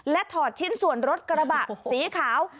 ถอดชิ้นส่วนรถกระบะสีขาว